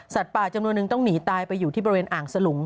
ป่าจำนวนนึงต้องหนีตายไปอยู่ที่บริเวณอ่างสลุง